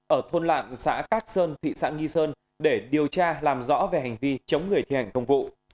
ở thôn lạn xã cát sơn thị xã nghi sơn để điều tra làm rõ về hành vi chống người thi hành công vụ